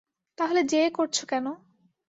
তাহলে যেয়ে করছো কেন?